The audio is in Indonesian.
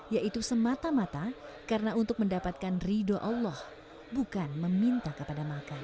yaitu semata mata karena untuk mendapatkan ridho allah bukan meminta kepada makan